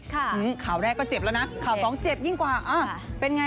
ข่าวแรกก็เจ็บแล้วนะข่าวสองเจ็บยิ่งกว่าอ่าเป็นไง